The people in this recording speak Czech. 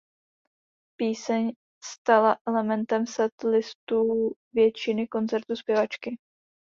Píseň stala elementem set listu většiny koncertů zpěvačky.